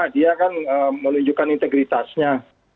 dia kan menunjukkan integritasnya